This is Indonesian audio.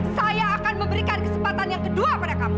saya akan memberikan kesempatan yang kedua pada kamu